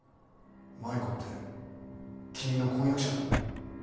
麻衣子って君の婚約者だろ。